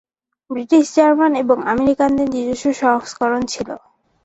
British, German এবং আমেরিকানদের নিজস্ব সংস্করণ ছিল।